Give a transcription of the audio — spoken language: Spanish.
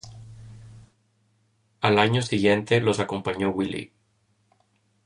Al año siguiente, los acompañó Willy.